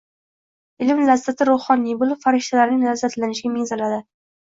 Ilm lazzati ruhoniy boʻlib, farishtalarning lazzatlanishiga mеngzaladi